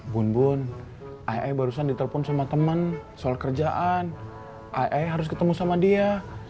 bun bun ai ai barusan ditelepon sama temen soal kerjaan ai ai harus ketemu sama dia